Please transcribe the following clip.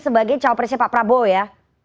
sebagai cowok presiden pak prabowo ya